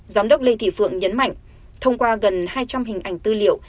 giám đốc lê thị phượng nhấn mạnh thông qua gần hai trăm linh hình ảnh tư liệu